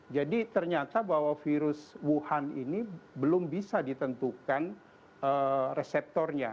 jadi ternyata bahwa virus wuhan ini belum bisa ditentukan reseptornya